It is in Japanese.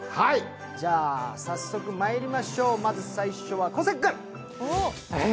早速まいりましょう、まず最初は小関君。